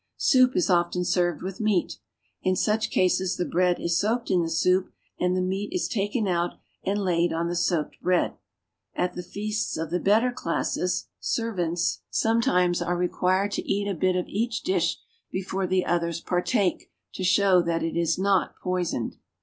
Soup is often served with meat. In such cases the bread is soaked in the soup, Knd the meat is then taken out and laid on the soaked ^d. At the feasts of the better classes, servants are 130 AFRICA r ^^H sometimes required to eat a bit of each dish ^^H others partake, to show that it is not poisoned.